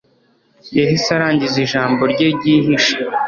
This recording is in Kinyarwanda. Yahise arangiza ijambo rye ryihishe